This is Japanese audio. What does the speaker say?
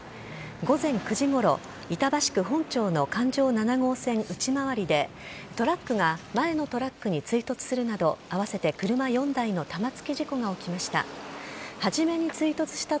午前９時ごろ板橋区本町の環状７号線内回りでトラックが前のトラックに追突するなど合わせて車４台の玉突き事故が起きました。